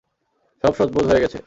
সব শোধবোধ হয়ে গেছে।